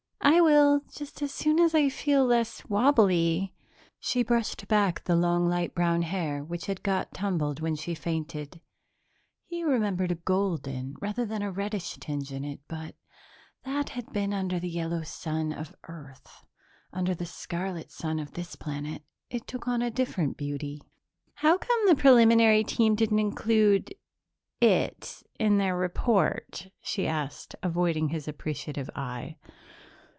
"I will, just as soon as I feel less wobbly." She brushed back the long, light brown hair which had got tumbled when she fainted. He remembered a golden rather than a reddish tinge in it, but that had been under the yellow sun of Earth; under the scarlet sun of this planet, it took on a different beauty. "How come the preliminary team didn't include it in their report?" she asked, avoiding his appreciative eye.